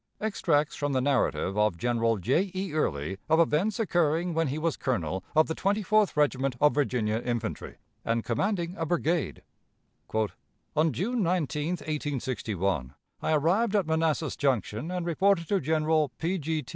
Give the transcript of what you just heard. Extracts from the narrative of General J. A. Early, of events occurring when he was colonel of the Twenty fourth Regiment of Virginia Infantry and commanding a brigade: "On June 19, 1861, I arrived at Manassas Junction and reported to General P. G. T.